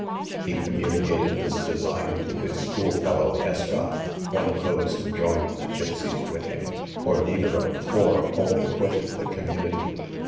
He communicated this design to his school fellow, Escott, one of those who joined the gipseys with him, (for neither of the four wholly quitted the community).